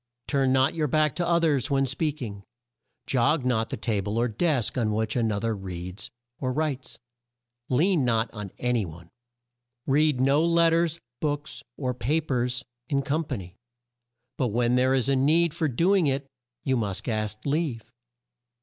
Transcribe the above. "Turn not your back to o thers when speak ing; jog not the ta ble or desk on which an o ther reads or writes; lean not on a ny one. "Read no let ters, books, or pa pers in com pa ny; but when there is a need for do ing it, you must ask leave.